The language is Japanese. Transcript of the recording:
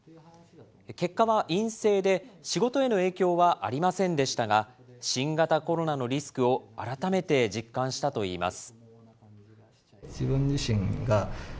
結果は陰性で、仕事への影響はありませんでしたが、新型コロナのリスクを改めて実感したといいます。